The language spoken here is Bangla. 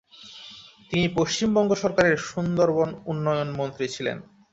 তিনি পশ্চিমবঙ্গ সরকারের সুন্দরবন উন্নয়ন মন্ত্রী ছিলেন।